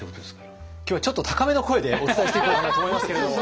今日はちょっと高めの声でお伝えしていこうかなと思いますけれども。